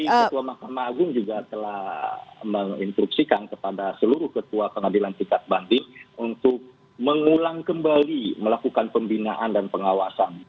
ketua mahkamah agung juga telah menginstruksikan kepada seluruh ketua pengadilan tingkat banding untuk mengulang kembali melakukan pembinaan dan pengawasan